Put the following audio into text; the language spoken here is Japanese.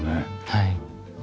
はい。